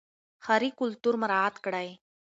ښاري کلتور مراعات کړئ.